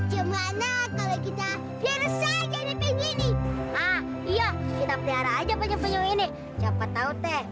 gimana kalau kita biar saja nih begini nah iya kita perihara aja penyu penyu ini siapa tau teh